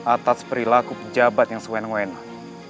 atas perilaku pejabat yang sewen wenan